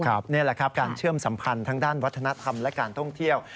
นี่แหละครับการเชื่อมสัมพันธ์ทางด้านวัฒนธรรมและการท่องเที่ยว